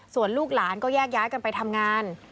ส่วนลูกหลานก็แยกย้ายกันไปทำงาน